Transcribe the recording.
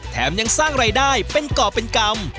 ยังสร้างรายได้เป็นก่อเป็นกรรม